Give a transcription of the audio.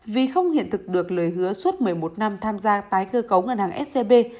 vì không hiện thực được lời hứa suốt một mươi một năm tham gia tái cơ cấu ngân hàng scb